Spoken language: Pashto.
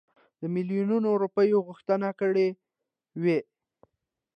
د میلیونونو روپیو غوښتنه کړې وای.